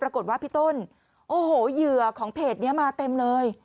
ปรากฏว่าพี่ต้นโอ้โหเหยื่อของเพจนี้มาเต็มเลย